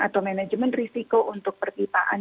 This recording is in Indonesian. atau manajemen risiko untuk perpipaan